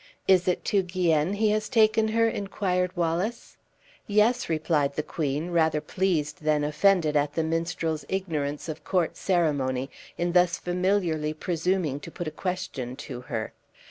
"Is it to Guienne he has taken her?" inquired Wallace. "Yes," replied the queen, rather pleased than offended at the minstrel's ignorance of court ceremony in thus familiarly presuming to put a question to her.